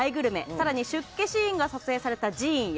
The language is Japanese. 更に出家シーンが撮影された寺院へ。